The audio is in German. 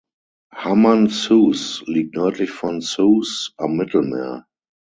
Hammam Sousse liegt nördlich von Sousse am Mittelmeer.